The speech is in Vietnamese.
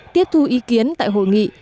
tiết thu ý kiến tại hội nghị